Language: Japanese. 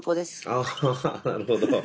ああなるほど。